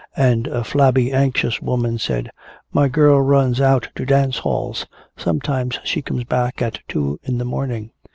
And a flabby anxious woman said, "My girl runs out to dance halls. Sometimes she comes back at two in the morning.